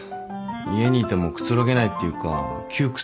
家にいてもくつろげないっていうか窮屈で。